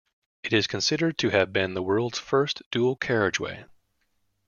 It is considered to have been the world's first dual carriageway.